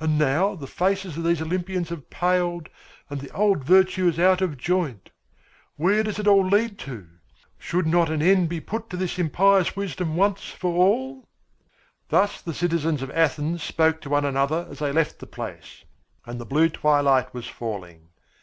And now the faces of the Olympians have paled and the old virtue is out of joint. What does it all lead to? Should not an end be put to this impious wisdom once for all?" Thus the citizens of Athens spoke to one another as they left the place, and the blue twilight was falling.